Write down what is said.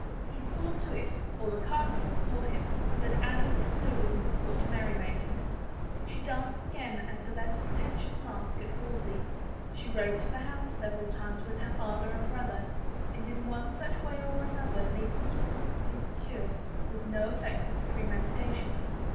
He saw to it — or the cardinal for him — that Anne was included in the court menymaking. She danced again at a less pretentious masque at Wolsey's, she rode to hounds several times with her father and brother, and in one such way or another meetings were constantly secured with no effect of premeditation.